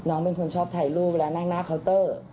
น้องเป็นคนชอบถ่ายรูปเวลานั่งหน้าเคาน์เตอร์